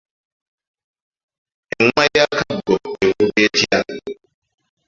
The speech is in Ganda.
Engoma ya Kaggo evuga etya?